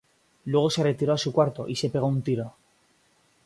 Luego se retiró a su cuarto y se pegó un tiro.